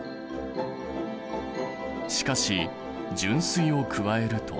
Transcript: しかし純水を加えると。